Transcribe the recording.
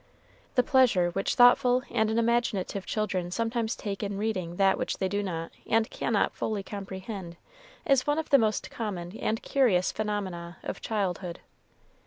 The pleasure which thoughtful and imaginative children sometimes take in reading that which they do not and cannot fully comprehend is one of the most common and curious phenomena of childhood.